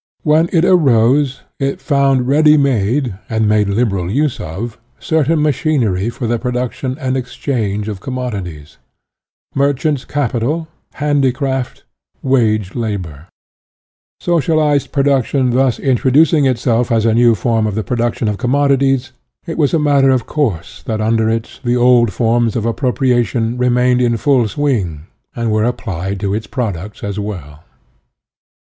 When it arose, it found ready made, and made liberal use of, certain machinery for the production and exchange of commodities; merchants' capital, handicraft, wage labor. Socialized UTOPIAN AND SCIENTIFIC IOI production thus introducing itself as a new form of the production of commodities, it was a matter of course that under it the old forms of appropriation remained in full swing, and were applied to its products as well.